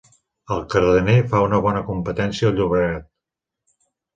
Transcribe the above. El Cardener fa una bona competència al Llobregat.